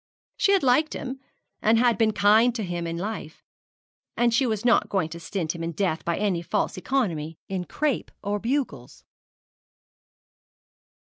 She had liked him, and had been kind to him in life, and she was not going to stint him in death by any false economy in crape or bugles.